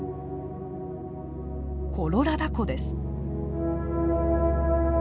コロラダ湖です。